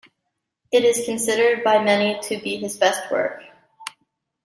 It is considered by many to be his best work.